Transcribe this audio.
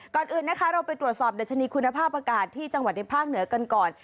ก่อนอื่นนะคะเราไปตรวจสอบดัชนีคุณภาพอากาศที่จังหวัดในภาคเหนือกันก่อน